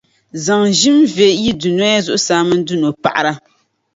zaŋ ʒim ve yi dunoya zuɣusahi mini dunopaɣira.